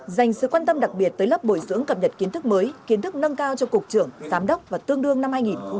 dành sự quan tâm đặc biệt tới lớp bồi dưỡng cập nhật kiến thức mới kiến thức nâng cao cho cục trưởng giám đốc và tương đương năm hai nghìn một mươi tám